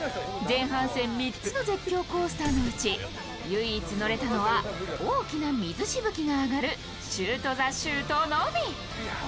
前半戦３つの絶叫コースターのうち唯一乗れたのは、大きな水しぶきが上がるシュート・ザ・シュートのみ。